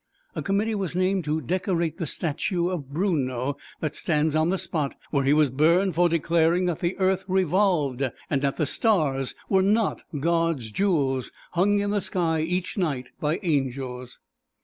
A committee was named to decorate the statue of Bruno that stands on the spot where he was burned for declaring that the earth revolved, and that the stars were not God's jewels hung in the sky each night by angels.